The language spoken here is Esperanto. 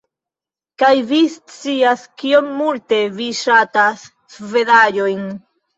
Kaj vi scias kiom multe vi ŝatas svedaĵojn